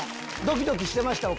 ドキドキしてました。